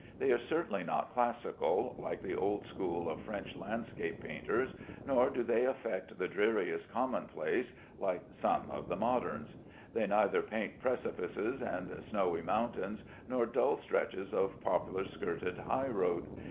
They are certainly not classical, like the old school of French landscape painters, nor do they affect the dreariest commonplace, like some of the moderns. They neither paint precipices and snowy mountains, nor dull stretches of poplar skirted high road.